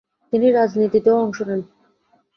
তিনি রাজনীতিতেও অংশ নেন।